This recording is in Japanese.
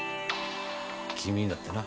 君にだってな。